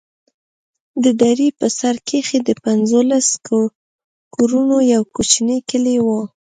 د درې په سر کښې د پنځلسو كورونو يو كوچنى كلى و.